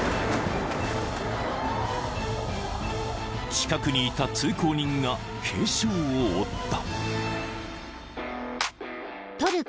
［近くにいた通行人が軽傷を負った］